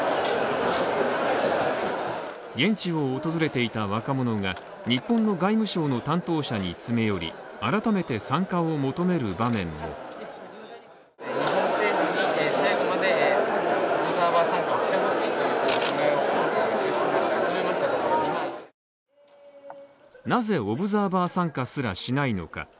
現地を訪れていた若者が日本の外務省の担当者に詰め寄り、改めて参加を求める場面もなぜオブザーバー参加すらしないのか。